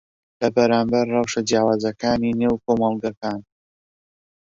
لەبەرامبەر ڕەوشە جیاوازەکانی نێو کۆمەڵگەکان